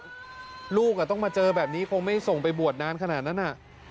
ลูกต้องมาเจอแบบนี้คงไม่ส่งไปบวชนานขนาดนั้นน่ะ